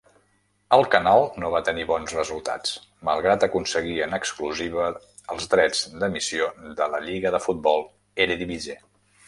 El canal no va tenir bons resultats, malgrat aconseguir en exclusiva els drets d'emissió de la lliga de futbol Eredivisie.